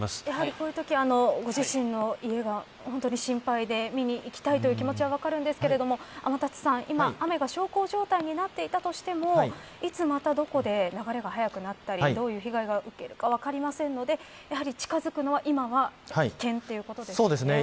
こういうときはご自身の家が心配で見に行きたい気持ちは分かるんですが今、雨が小康状態になっていたとしてもいつ、また、どこで流れが速くなったりどういう被害を受けるか分かりませんので近づくのは今は危険ということですかね。